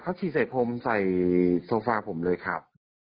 เขาฉี่ใส่พงฮ์ใส่โซฟาผมเลยครับ